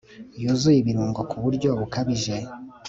yuzuye ibirungo ku buryo bukabije